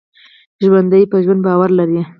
ژوندي په ژوند باور لري